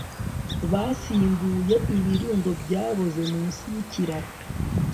basimbuye ibirundo byaboze munsi yikiraro